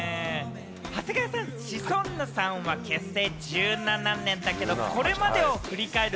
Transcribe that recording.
長谷川さん、シソンヌさんは結成１７年だけれども、これまでを振り返る